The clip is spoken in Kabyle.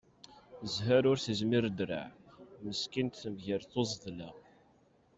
Zher ur s-izmir ddreɛ, meskint temger tuẓedla.